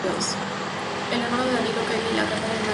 Es hermano de Danilo Caymmi y de la cantante Nana Caymmi.